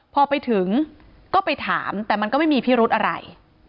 พอไปถึงก็ไปถามแต่มันก็ไม่มีพิรุธอะไร